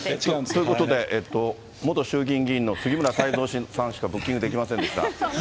ということで、元衆議院議員の杉村太蔵さんしかブッキングできませんでした。